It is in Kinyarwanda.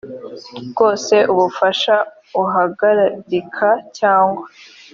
bwose ufasha uhagarikira cyangwa